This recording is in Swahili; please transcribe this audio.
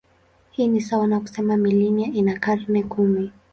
Hii ni sawa na kusema milenia ina karne kumi.